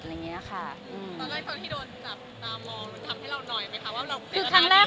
ตอนแรกที่โดนจับตามองทำให้เราน่อยไหมคะ